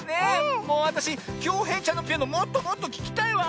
もうわたしきょうへいちゃんのピアノもっともっとききたいわ！